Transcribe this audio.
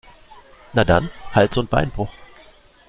Na dann, Hals- und Beinbruch!